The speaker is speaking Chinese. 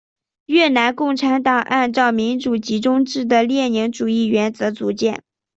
越南共产党按照民主集中制的列宁主义原则组建。